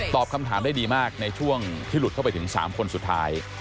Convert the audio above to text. คำถามได้ดีมากในช่วงที่หลุดเข้าไปถึง๓คนสุดท้าย